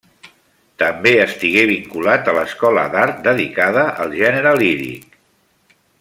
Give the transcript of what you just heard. També estigué vinculat a l'Escola d’Art, dedicada al gènere líric.